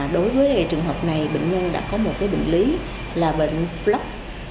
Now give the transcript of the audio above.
đối với trường hợp này bệnh nhân đã có một bệnh lý là bệnh lắp